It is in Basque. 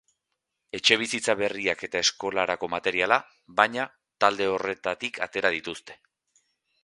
Etxebizitza berriak eta eskolarako materiala, baina, talde horretatik atera dituzte.